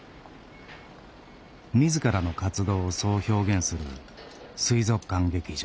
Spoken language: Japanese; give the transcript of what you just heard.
自らの活動をそう表現する水族館劇場。